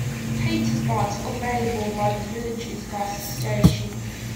Heated baths were available by the village's gas station.